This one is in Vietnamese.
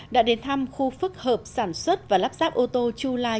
đã đến thăm khu phức hợp sản xuất và lắp ráp ô tô chu lai